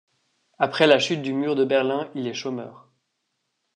Après la chute du mur de Berlin, il est chômeur.